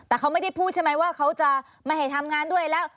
แต่เขาไม่ได้พูดใช่ไหมว่าเขาจะไม่ให้ทำงานด้วยแล้ว